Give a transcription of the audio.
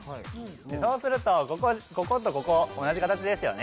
そうするとこことここ同じ形ですよね